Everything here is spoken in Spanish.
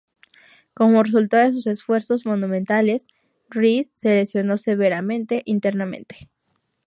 Como resultado de sus esfuerzos monumentales, Reece se lesionó severamente internamente.